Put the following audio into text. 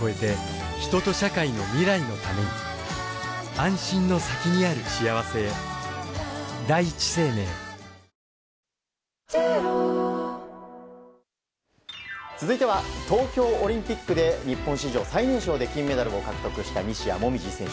立ったそれが東京海上日動続いては東京オリンピックで日本史上最年少で金メダルを獲得した西矢椛選手